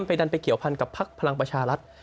ไปดันไปเกี่ยวพันกับพักพลังประชารัฐ